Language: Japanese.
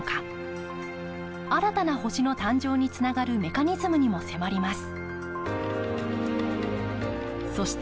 新たな星の誕生につながるメカニズムにも迫ります。